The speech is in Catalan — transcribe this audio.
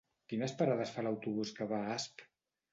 Quines parades fa l'autobús que va a Asp?